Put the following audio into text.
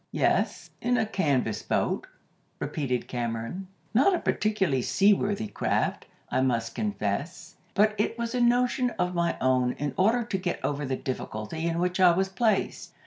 "Yes, in a canvas boat," repeated Cameron. "Not a particularly seaworthy craft, I must confess. But it was a notion of my own in order to get over the difficulty in which I was placed.